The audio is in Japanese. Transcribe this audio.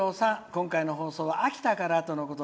「今回の放送は秋田からとのこと。